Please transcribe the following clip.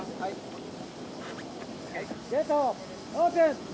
ゲートオープン！